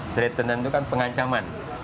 treatment itu kan pengancaman